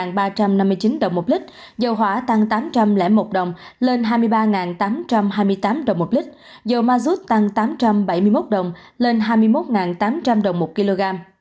giá bán lẻ hiện hành lên hai mươi năm ba trăm năm mươi chín đồng một lít dầu hỏa tăng tám trăm linh một đồng lên hai mươi ba tám trăm hai mươi tám đồng một lít dầu mazut tăng tám trăm bảy mươi một đồng lên hai mươi một tám trăm linh đồng một kg